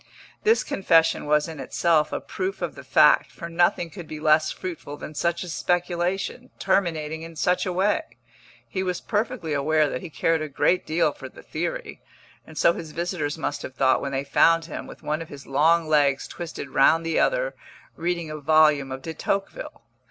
This confession was in itself a proof of the fact, for nothing could be less fruitful than such a speculation, terminating in such a way. He was perfectly aware that he cared a great deal for the theory, and so his visitors must have thought when they found him, with one of his long legs twisted round the other, reading a volume of De Tocqueville.